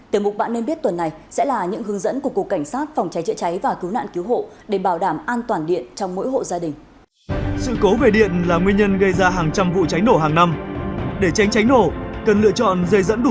tiếp mục bạn nên biết tuần này sẽ là những hướng dẫn của cục cảnh sát phòng cháy chữa cháy và cứu nạn cứu hộ để bảo đảm an toàn điện trong mỗi hộ gia đình